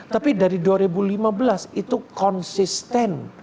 tapi dari dua ribu lima belas itu konsisten